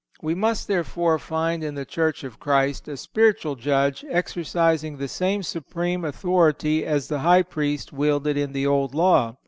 (154) We must, therefore, find in the Church of Christ a spiritual judge, exercising the same supreme authority as the High Priest wielded in the Old Law.